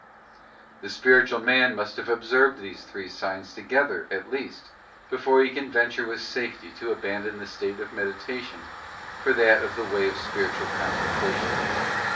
The spiritual man must have observed these three signs together, at least, before he can venture with safety to abandon the state of meditation for that of the way of spiritual contemplation.